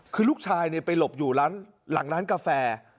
คือลูกชายไปหลบอยู่หลังร้านกาแฟ